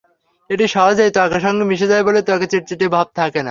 এটি সহজেই ত্বকের সঙ্গে মিশে যায় বলে ত্বকে চিটচিটে ভাব থাকে না।